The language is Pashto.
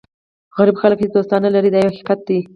غریب خلک هېڅ دوستان نه لري دا یو حقیقت دی.